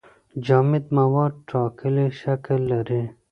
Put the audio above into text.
جامد مواد ټاکلی شکل لري.